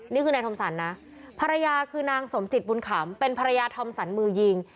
นี่คือนายทอมสรรนะภรรยาคือนางสมจิตบุญขำเป็นภรรยาทอมสรรมือยิง